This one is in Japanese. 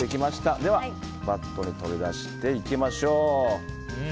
では、バットに取り出していきます。